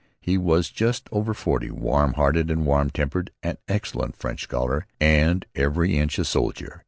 He was just over forty, warm hearted and warm tempered, an excellent French scholar, and every inch a soldier.